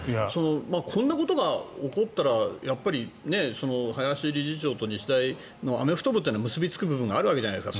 こんなことが起こったらやっぱり林理事長と日大アメフト部って結びつく部分があるわけじゃないですか。